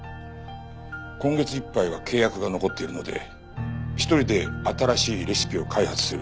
今月いっぱいは契約が残っているので１人で新しいレシピを開発する。